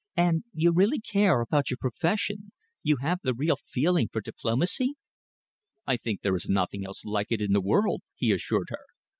"And you really care about your profession? You have the real feeling for diplomacy?" "I think there is nothing else like it in the world," he assured her.